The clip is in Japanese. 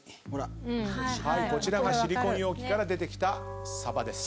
こちらがシリコーン容器から出てきたサバです。